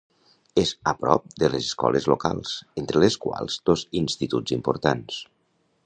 És a prop de les escoles locals, entre les quals dos instituts importants.